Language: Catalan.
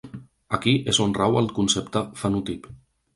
Aquí és on rau el concepte fenotip.